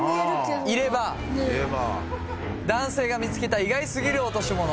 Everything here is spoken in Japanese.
入れ歯男性が見つけた意外すぎる落とし物